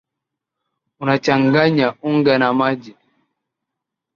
Unachanganya unga na maji